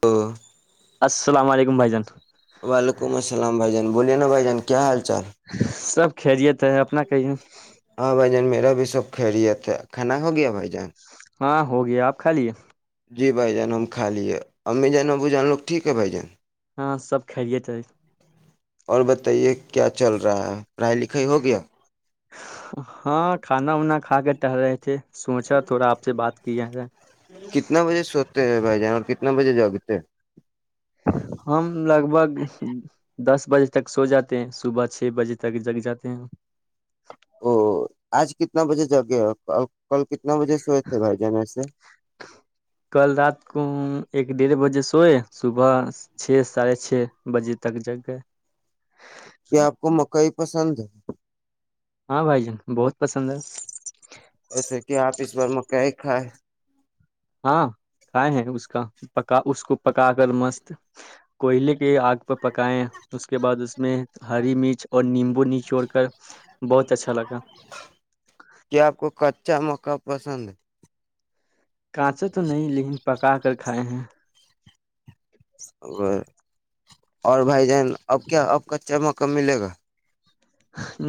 تو [unintelligible] السلام علیکم بھائی جان وعلیکم السلام بھائی جان بوولے نا بھائی جان کیا حال چار کھیلیےت ہے اپنا کہیں ہاں بھائی جان میرا بھی سب خیریت ہے کھانا ہو گیا بھائی جان ہاں ہو گیا آپ کھا لیے جی بھائی جان ہم خا لیے امی جانا بھان لوگٹھیک ہے بھائی جان ہاں سب کائیے تھے اور بتائیے کیا چل رہا ہے پڑھائی لکھائی ہو گیا ہاں کھانا وناا کھا کے ٹہر رہے تھے سوچا تھوڑا آپ سے بات کی ہے کتنا بجے سوتے بھائی جان کتنا بجے جاؤگتے ہم لگ بھگ دس بجے تک سو جاتے ہیں صبح چھ بجے تک جگ جاتے ہیں او آج کتنا بجے جا گے کل کتنا بجے سوئے تھے بھائی جان سے کل رات کو ہم ایک ڈیڑھ بجے سوئے صبح چھ ساڑھے چھ بجے تک جگ گئے کیا آپ کو مکئی پسند ہے ہاں بھائی جن بہت پسند ہے پسے کیا آپیس بار میں کئی کائے ہاں کھائے ہیں اس کا پکا اس کو پکا کر مست کوئلے کے آ پہ پکائیں اس کے بعد اس میں ہری مرچ اور نیمبو نچوڑ کر بہت اچھا لگا چ مق پسند کانچا تو نہیں لیکن پکا کر کھائے ہیں ا اور بھائی جان اب کیا آپ کا چمکہ ملے گا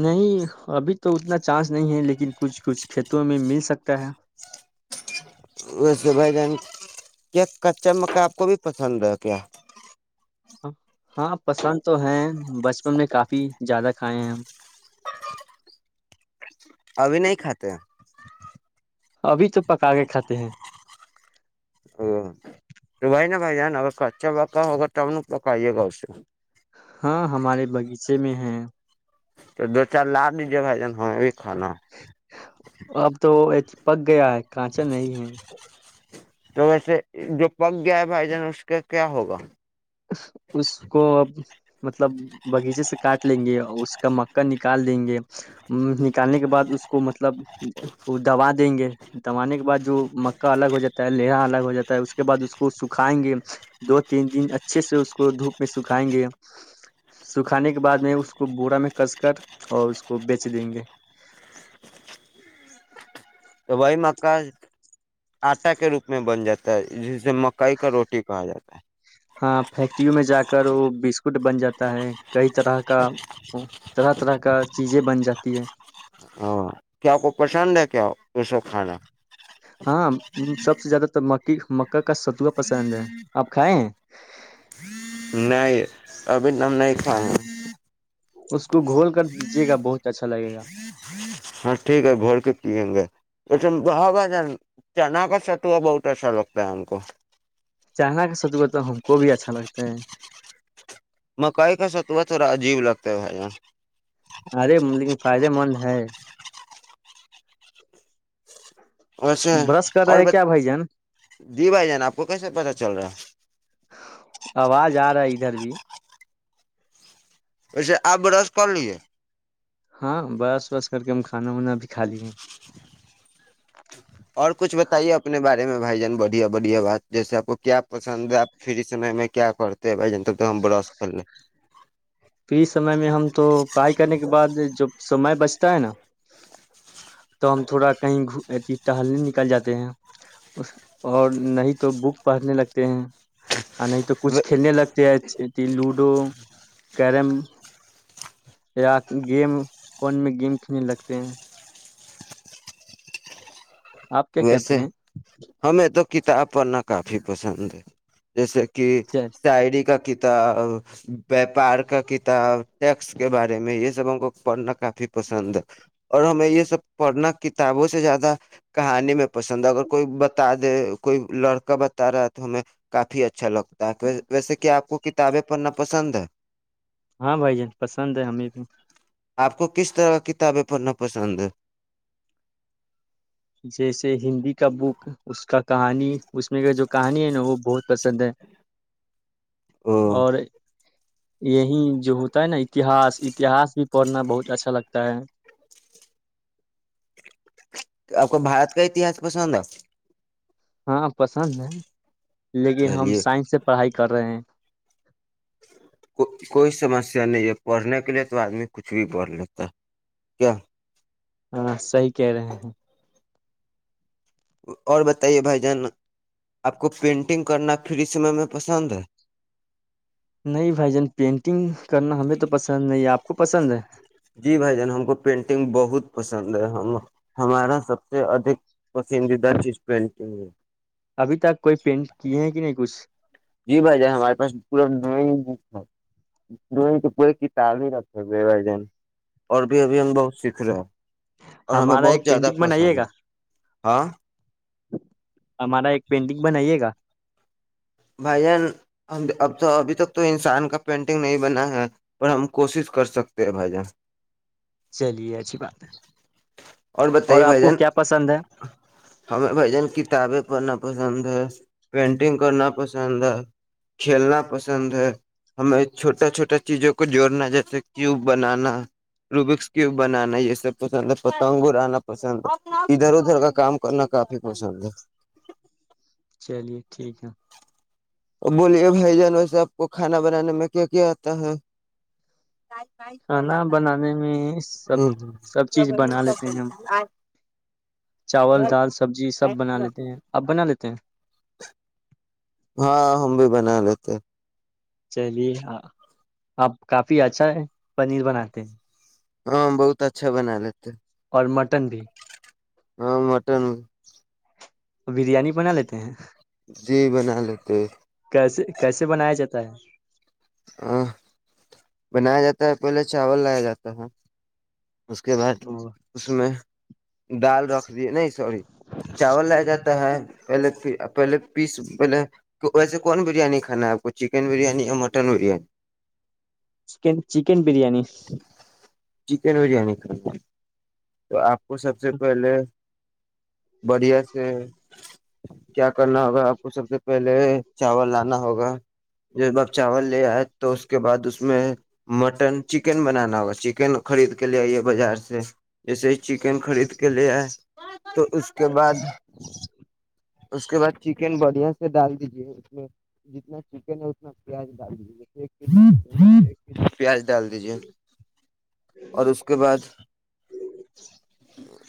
نہیں ابھی تو اتنا چانس نہیں ہے لیکن کچھ کچھ کھیتوں میں مل سکتا ہے ویسے بھائی جن کیا کچا مکا آپ کو بھی پسند ہے کیا ہاں پسند تو ہے بچپن میں کافی زیادہ کھائے ہیں ہم ابھی نہیں کھاتاتے ابھی چ پکا کے کھاتے ہیں او تو بھائی نا بھ جان اگر کچا پکا ہو اگر تو ت ہم پکائیے گؤ ہاں ہمارے باغیچے میں ہیں تو دو چار لار لیجے بائی جان ہاں اب تو پک گیا ہے کانچا نہیں ہے تو ویسے جو پگ گیا ہے بھائی جان اس کا کیا ہوگا اس کو اب مطلب باغیچے سے کاٹ لیں گے اس کا مکا نکال دیں گے نکالنے کے بعد اس کو مطلب وہ دوبا دیں گے دانے کے بعد جو مکا الگ ہو جاتا ہے لرا الگ ہو جاتا ہے اس کے بعد اس کو سکھائیں گے دو تین دن اچھا اچھے سے اس کو دھوپ میں سکھائیں گے سکھانے کے بعد میں اس کو بورا میں کس کر اور اس کو بیچ دیں گے تو بھائی مکا آٹا کے روپ میں بن جاتا [inaudible] جسے مکئی کا روٹی کہا جاتا ہے ہاں فیکٹریوں میں جا کر وہ بسکٹ بن جاتا ہے کئی طرح کا طرح طرح کا چیزیں بن جات تی ہے ہاں کیا کو پچان ہے کیا یہ سب کھانا ہاں سب سے زیادہ تو م [inaudible] کا کا ستوا پسند ہے آپ کھائےیں ہیں اب نام نہیں کھا ہے اس کو گھول کر پجیے گا بہت اچھا لگے گا ہاں ٹھیک ہے بول کے پیئیں گےگا چنا کا ستوا بہت اچھا لگتا ہے ہم کو چاہنا کا سچوا تو ہم کو بھی اچھا لگتا ہے مکائی کا ستوا تھوڑا عجیب لگتا ہے ہے ارے لیکن فائدے مند ہے اھا برش کر اور رہے ہیں کیا بھائی جان دی بھائی جان آپ کو کیسے پتا چل رہا ہے آواز آ رہا ہے ادھر بھی پچھے آ برس کر لیے ہاں بس وس کر کے ہم کھانا وانا بھی کھا لیے اور کچھ بتائیے اپنے بارے میں بھائی جان بڑھیا بڑھیا بات جیسے آپ کو کیا پسند ہے آپ پھر اس سے میں کیا کرتے ہیں بھائی جن تب تو ہم برش کر لیں پری سمے میں ہم تو پڑھائی کرنے کے بعد جب سمے بچتا ہے نا تو ہم تھوڑا کہیں اتی ٹہلنے نکل جاتے ہیں اور نہیں تو بک پڑھنے لگتے ہیں نہیں تو لیں کچھ کلنے لگتے ہیں ت لوڈو کیرم یا گیم فون میں گیم کھیلنے لگتے ہیں آپ کیا کہتے ویسے ہیں ہم میں تو کتاب پڑھنا کافی پسند ہے جیسے کہ سعریی کا ک وپار کا کتاب ٹیکس کے بارے میں یہ سب ا کو پڑھنا کا بھی پسند اور ہمیں یہ سب پڑھنا کتابوں سے زیادہ کہانی میں پسند ہے اگر کوئی بتا دے کوئی لڑکا بتا رہا ہے تو ہمیں کافی اچھا لگتا ہے ویسے کہ آپ کو کتابیں پڑھنا پسند ہے ہاں بھائی جان پسند ہے ہمیں بھی آپ کو کس طرح کا کتابیں پڑھنا پسند جیسے ہندی کا بک اس کا کہانی اس میں کا جو کہانی ہے نا وہ بہت پسند ہے او اور یہی جو ہوتا ہے نا اتہس اتہس بھی پڑھنا بہت اچھا لگتا ہے آپ کو بارت کا اتہاس پسند ہے ہاں پسند ہیں لیکن ہم چلیے سائنس سے پڑھائی کر رہے ہیں خالی اوج عا رہی ہے کوئی سمسیا نہیں ہے پڑھنے کے لیے تو آدمی کچھ بھی پڑھ لیتا ہے کیا ہاں صحی کہہ رہے ہیں اور بتائیے بھائی جان آپ کو پینٹنگ کرنا پری اس سمے میں پسند ہے نہیں بھائی جان پینٹنگ کرنا ہمیں تو پسند نہیں آپ خو پسند ہے جی بھائی جان ہم کو پینٹنگ بہت پسند ہے ہم ہمارا سب سے ادھک پسندیدہ چیز پینٹنگ ہے ابھی تک کوئی پینٹ کیے ہیں کہ نہیں کچھ جی بھائی جان ہمارے پاس پورا ڈرائگ ڈرائنگ تو کوئی کتاب ہی رکھے ہو بھائی جان اور بھی ابھی ہم بہت سیکھ رہے اور ہمیں ہمارا بہت ایک زیادہ پینٹنگ بنائیے پسند گا ہے ہاں ہمارا ایک پینٹنگ بنائیے گا بھائی جان اب تو ابھی تک تو انسان کا پینٹنگ نہیں بنا ہے پر ہم کوشش کر سکتے ہیں بھائی جان چلیے اچھی بات ہے اور بتائیے آپ کو بھن کیا پسند ہے ہمیں بھجن کتابیں پڑھنا پسند پینٹنگ کرنا پسند ہے کھیلنا پسند ہے ہمیں چھوٹا چھوٹا چیزوں کو جوڑنا جیسے کیوب بنانا روبکس کیوب بنانا یہ سب پسند ہے پتنگ ارانا پسند ادھر ادھر کا کام کرنا کافی پسند ہے چلیے ٹھیک ہے اور بولیے بھائی جان و سے آب کو کھانا بنانے میں کیا کیا آتا ہے کھانا بنانے میں سب سب چیز بنا لیتے ہیں ہم چاول دال سبزی سب بنا لیتے ہیں آپ بنا لیتے ہیں ہاں ہم بھی بنا لیتے چلیے آپ کافی اچھا پنیر بناتے ہیں ہاں بہت اچھا بنا لیتے اور مٹن بھی ہاں مٹن بریانی بنا لیتے ہیں جی بنا لیتے کیسے کیسے [inaudible] آ [inaudible] بنایا جاتا ہے پہلے چاول لایا جاتا ہے اس کے بعد وہ اس میں دال رکھ نہیں سوری چاول لایا جاتا ہے پہلے پہلے پیس پہلے ویسے کون بریانی کھانا ہے آپ کو چکن بریانی یا mutton biryani chicken chicken biryani chicken biryani کھ تو آپ کو سب سے پہلے بڑھیا سے کیا کرنا ہوگا آپ کو سب سے پہلے چاول لانا ہوگا جب آپ چاول لے آئے تو اس کے بعد اس میں مٹن چکن بنانا ہو چکن خرید کے لے آئی ہے بازار سے جیسے چکن خرید کے لے آئے تو اس کے بعد اس کے بعد چکن بڑھیا سے ڈال دیجیے اس میں جتنا چکن ہے اتنا پیاز ڈال دیجیے پیاز ڈال دیجے اور اس کے بعد ہ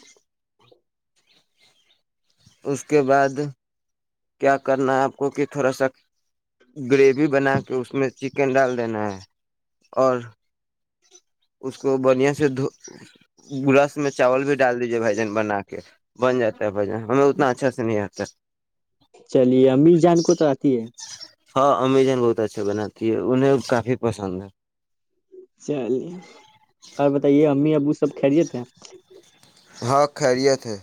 اس کے بعد کیا کرنا ہے آپ کو کہ تھوڑا سا گریوی بنا کے اس میں چکن ڈال دینا ہے اور اس کو بڑیا سے گ رس میں چاول بھی ڈال دیجیے بھجن بنا کے بن جاتا ہے ہم اتنا اچھا سے نہیںیا سس چلیے امییر جان کو تو آتی ہے ہاں امیزن بہت اچھا بناتی ہے انہیں کافی پسند ہے چلیے اور بتائیے امی ابو سب خریے تھے ہاں خیریت ہے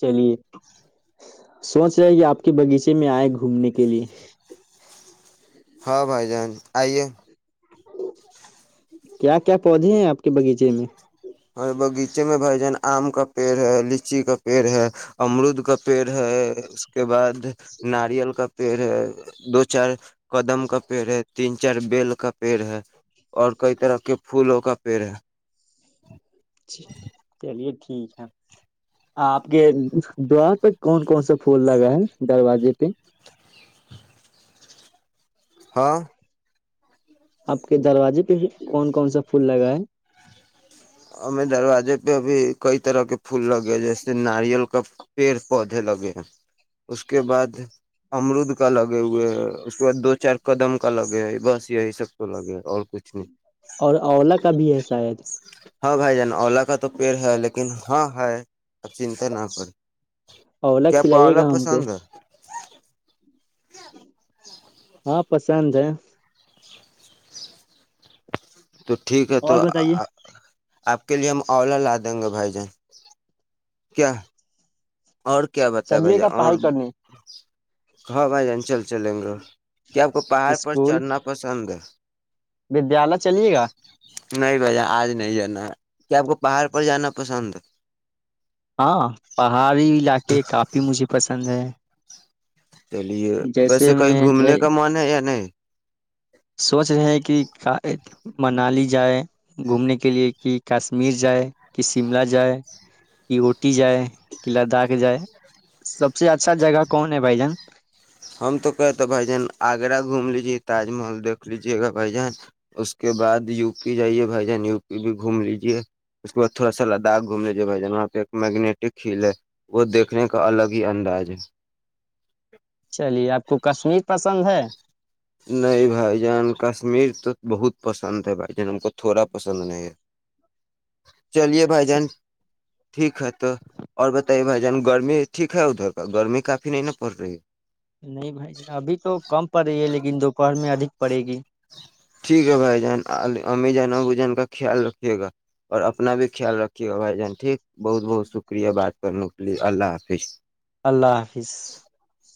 چلیے سوچ رہے کہ آپ کے باغیچے میں آئے گھومنے کے لیے ہاں بھائی جان آئیے کیا کیا پودے ہیں آپ کے باغیچے میں [unintelligible] اور بغیچے میں بھائی جان آم کا پیڑ ہے ل لیچی کا پیڑ ہے امرود کا پیڑ ہے اس کے بعد ناریل کا پیڑ ہے دو چار کدم کا پیڑ ہے تین چار بیل کا پیڑ ہے اور کئی طرح کے پھولوں کا پیڑ ہے [unintelligible] چ چلیے [unintelligible] ٹھیک ہے آپ کے دوار تک کون کون سا پھول لگا ہے دروازے پہ [unintelligible] ہاں [unintelligible] آپ کے دروازے پہ بھی کون کون سا پھول لگا ہے ہمیں دروازے پہ ا بھی کئی طرح کے پھول لگے جیس ناریل کا پیڑ پودے لگے اس کے بعد امرود کا لگے ہوئے ہے اس کے بعد دو چار کدم کا لگے ہو بس یہی سب تو لگے اور کچھ نہیں اور اولا کا بھی ہے شاید [unintelligible] ہاں بھائی جان اولا کا تو پیڑ ہے لیکن ہاں ہے اب چنتا نہ کریں [unintelligible] اولا کیا آپ کو کھلائیے اولا گا ہم کو پسند ہے ہاں پسند ہے [unintelligible] تو ٹھیک ہے تو اور بتائیے [unintelligible] آپ کے لیے ہم اولا لا دیں گے بھائی جان کیا [unintelligible] اور کیا بتا چلیے بھجا گا اور پڑھائی کرنے [unintelligible] ہاں بھائی جان چلتے [unintelligible] چلیں گے کیا آپ کو پہاڑ پر اسکول چڑھنا پسند ہے [unintelligible] ودیالیہ چلیے گا نہیں بائیا آج نہیں جانا کیا آپ کو پہاڑ پر جانا پسند ہاں پہاڑی علاقے کافی مجھے پسند ہے چلیے ویسے جیسے کہیں میں اے، گھومنے کا من ہے یا نہیں سوچ رہے ہیں کہ منالی جائے گھومنے کے لیے کہ کاشمیر جائے کہ شملہ جائے کہ اٹی جائے کہ لداخ جائے سب سے اچھا جگہ کون ہے بھائی جان [unintelligible] ہ [inaudible] ہم تو کہتے بھائی جان آگرہ گھوم لیجے تاج محل دیکھ لیجیے گا بھائی جان اس کے بعد یو پی جائیے بھائی جان یو پی بھی گھوم لیجے اس کے بعد تھوڑا سا لداخ گھوم لیجیے بھائی جان وہاں پہ ایک میگنیٹک ہل ہے وہ دیکھنے کا الگ ہی انداز ہے چلیے آپ کو کشمیر پسند ہے [inaudible] نہیں بھائی جان کشمیر تو بہت پسند ہے بھائی جان ہم کو تھوڑا پسند نہیں ہے چلیے بھائی جان [unintelligible] ٹھیک ہے تو اور بتائیے بھائی جان گرمی ٹھیک ہے ادھر کا گرمی کافی نہیں ن پڑ رہی ہے نہیں بھائی ابھی تو کم پڑ رہی ہے لیکن دوپہر میں ادھک پڑے گی [unintelligible] ٹھیک ہے بھائی جان امی جان ابو جان کا خیال رکھیے گا اور اپنا بھی خیال رکھیے گا بھائی جان ٹھیک بہت بہت شکریہ بات کرنے کے لیے اللہ حافظ اللہ حافظ [unintelligible]